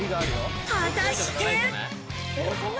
果たして？